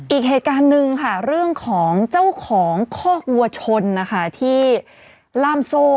อีกเหตุการณ์หนึ่งค่ะเรื่องของเจ้าของคอกวัวชนนะคะที่ล่ามโซ่